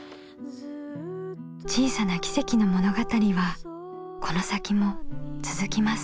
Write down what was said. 小さな奇跡の物語はこの先も続きます。